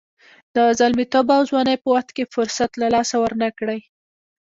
د زلمیتوب او ځوانۍ په وخت کې فرصت له لاسه ورنه کړئ.